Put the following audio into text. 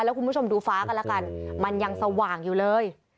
แล้วคุณผู้ชมดูฟ้ากันแล้วกันมันยังสว่างอยู่เลย